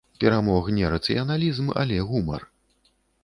Перамог не рацыяналізм, але гумар.